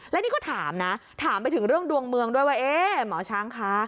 แล้วนี่ก็ถามนะถามไปถึงเรื่องดวงเมืองด้วยว่าเอ๊ะหมอช้างคะ